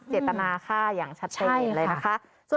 เจตนาฆ่าอย่างชัดเจนเลยนะคะ